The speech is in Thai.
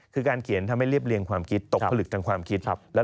คือการเขียนทำให้เรียบเรียงความคิดตกผลึกทางความคิด